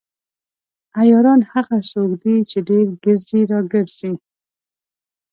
عیاران هغه څوک دي چې ډیر ګرځي راګرځي.